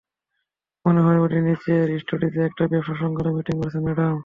মনে হয় উনি নীচের স্টাডিতে একটা ব্যাবসা সংক্রান্ত মিটিং করছেন, ম্যাডাম।